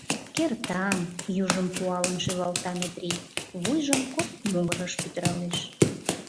— Кертам... — южым пуалын шӱлалта Метрий, вуйжым кок могырыш пӱтыралеш.